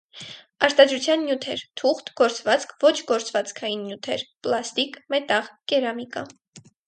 Արտադրության նյութեր. թուղթ, գործվածք, ոչ գործվածքային նյութեր, պլաստիկ, մետաղ, կերամիկա։